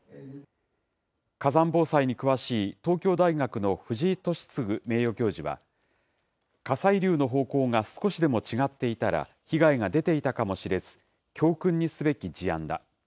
火山防災に詳しい東京大学の藤井敏嗣名誉教授は、火砕流の方向が少しでも違っていたら、被害が出ていたかもしれず、教訓にすべき事案だ。